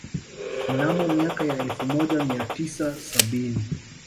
Mnamo miaka ya elfu moja mia tisa sabini